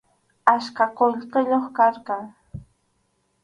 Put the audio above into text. Achka qullqiyuq karqan.